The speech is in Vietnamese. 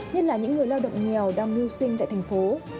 nhất là những người lao động nghèo đang mưu sinh tại thành phố